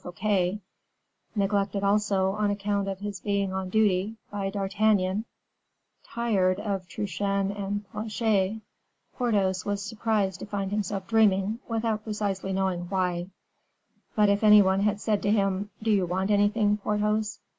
Fouquet; neglected, also, on account of his being on duty, by D'Artagnan; tired of Truchen and Planchet, Porthos was surprised to find himself dreaming, without precisely knowing why; but if any one had said to him, "Do you want anything, Porthos?"